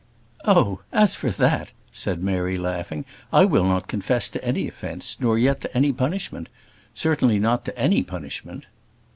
"Oh! as for that," said Mary, laughing, "I will not confess to any offence, nor yet to any punishment; certainly not to any punishment."